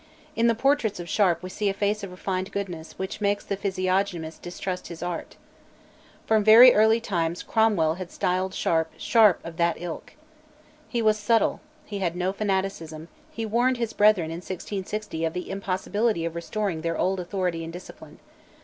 In the portraits of Sharp we see a face of refined goodness which makes the physiognomist distrust his art. From very early times Cromwell had styled Sharp "Sharp of that ilk." He was subtle, he had no fanaticism, he warned his brethren in 1660 of the impossibility of restoring their old authority and discipline.